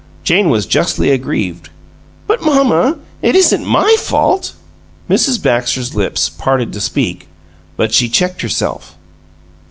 Jane was justly aggrieved. "But, mamma, it isn't MY fault!" Mrs. Baxter's lips parted to speak, but she checked herself.